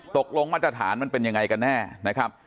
ตกลงมาตรฐานมันเป็นยังไงกันแน่นะครับ